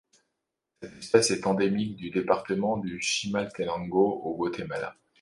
Cette espèce est endémique du département de Chimaltenango au Guatemala.